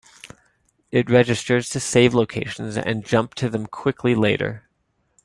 It registers to save locations and jump to them quickly later.